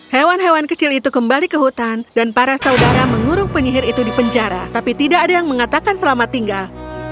hewan hewan kecil itu kembali ke hutan dan para saudara mengurung penyihir itu di penjara tapi tidak ada yang mengatakan selamat tinggal